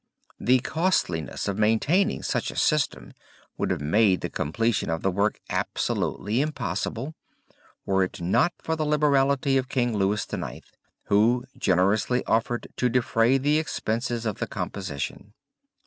The costliness of maintaining such a system would have made the completion of the work absolutely impossible were it not for the liberality of King Louis IX., who generously offered to defray the expenses of the composition.